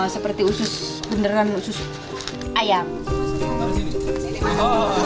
seperti usus beneran usus ayam